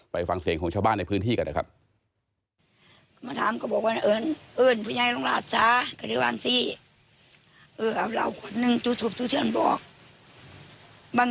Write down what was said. ฟังเสียงของชาวบ้านในพื้นที่กันนะครับ